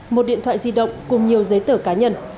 một điện thoại di động cùng nhiều giấy tờ cá nhân